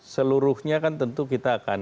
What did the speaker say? seluruhnya kan tentu kita akan